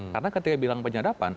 karena ketika bilang penyadapan